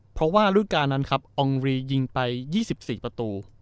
เพราะว่ารูปการณ์นั้นครับอองรียิงไป๒๔ประตู